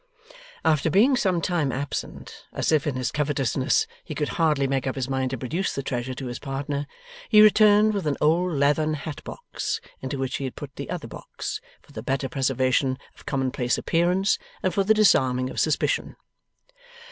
After being some time absent, as if in his covetousness he could hardly make up his mind to produce the treasure to his partner, he returned with an old leathern hat box, into which he had put the other box, for the better preservation of commonplace appearances, and for the disarming of suspicion.